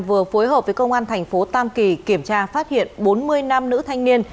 vừa phối hợp với công an thành phố tam kỳ kiểm tra phát hiện bốn mươi nam nữ thanh niên